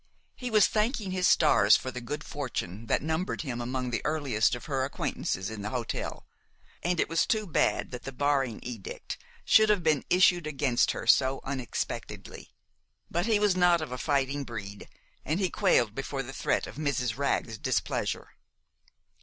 He was thanking his stars for the good fortune that numbered him among the earliest of her acquaintances in the hotel, and it was too bad that the barring edict should have been issued against her so unexpectedly. But he was not of a fighting breed, and he quailed before the threat of Mrs. Wragg's displeasure.